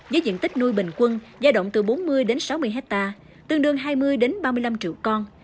với diện tích nuôi bình quân giai động từ bốn mươi đến sáu mươi hectare tương đương hai mươi ba mươi năm triệu con